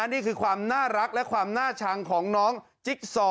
นี่คือความน่ารักและความน่าชังของน้องจิ๊กซอ